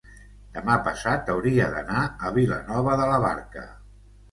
demà passat hauria d'anar a Vilanova de la Barca.